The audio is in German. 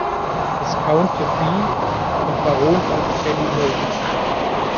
Viscount Taaffe" und "Baron of Ballymote".